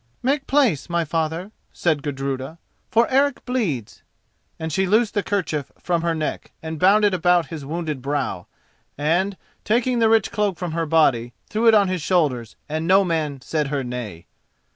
"Make place, my father," said Gudruda, "for Eric bleeds." And she loosed the kerchief from her neck and bound it about his wounded brow, and, taking the rich cloak from her body, threw it on his shoulders, and no man said her nay.